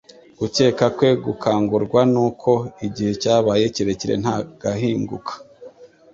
Gukeka kwe gukangurwa nuko igihe cyabaye kirekire nta gahinguka.